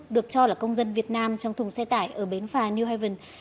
được cho là công dân việt nam trong thùng xe tải ở bến phà new haven